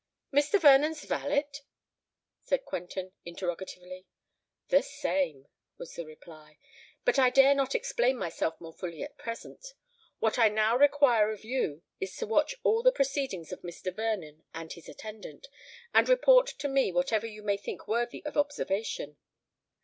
"Mr. Vernon's valet?" said Quentin, interrogatively. "The same," was the reply. "But I dare not explain myself more fully at present. What I now require of you is to watch all the proceedings of Mr. Vernon and his attendant, and report to me whatever you may think worthy of observation."